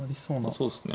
そうですね。